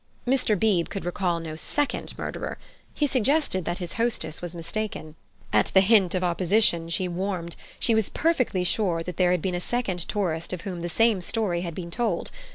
Mr. Beebe could recall no second murderer. He suggested that his hostess was mistaken. At the hint of opposition she warmed. She was perfectly sure that there had been a second tourist of whom the same story had been told.